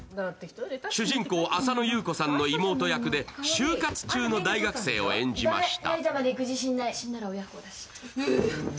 主人公・浅野ゆう子さんの妹役で就活中の大学生を演じました。